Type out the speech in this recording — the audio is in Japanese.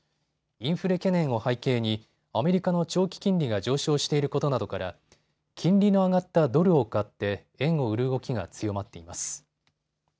インフレ懸念を背景にアメリカの長期金利が上昇していることなどから金利の上がったドルを買って円を売る動きが強まっています。